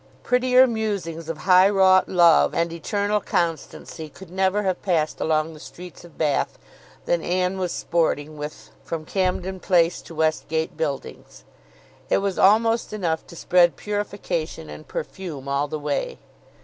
Prettier musings of high wrought love and eternal constancy, could never have passed along the streets of Bath, than Anne was sporting with from Camden Place to Westgate Buildings. It was almost enough to spread purification and perfume all the way.